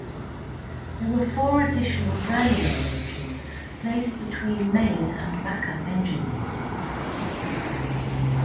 There were four additional vernier engines placed between main and backup engine nozzles.